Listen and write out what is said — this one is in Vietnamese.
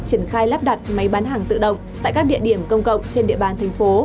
triển khai lắp đặt máy bán hàng tự động tại các địa điểm công cộng trên địa bàn thành phố